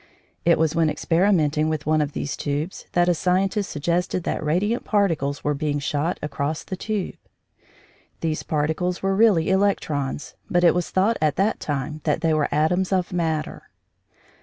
It was when experimenting with one of these tubes that a scientist suggested that radiant particles were being shot across the tube. These particles were really electrons, but it was thought at that time that they were atoms of matter.